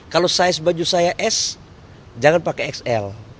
kalau size baju saya s jangan pakai xl